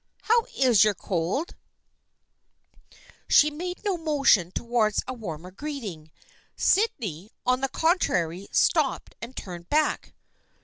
" How is your cold ?" She made no motion towards a warmer greeting. Sydney, on the contrary, stopped and turned back.